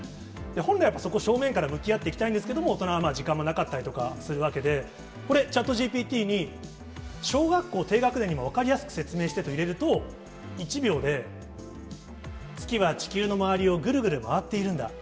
本来、そこ、正面から向き合っていきたいんですけれども、大人は時間もなかったりとかするわけで、これ、ＣｈａｔＧＰＴに、小学校低学年にも分かりやすく説明してと入れると、１秒で月は地球の周りをぐるぐる回っているんだ。